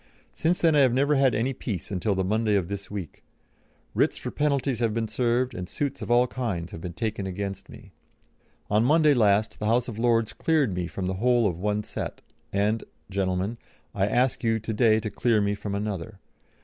Since then I have never had any peace until the Monday of this week. Writs for penalties have been served, and suits of all kinds have been taken against me. On Monday last the House of Lords cleared me from the whole of one set, and, gentlemen, I ask you to day to clear me from another.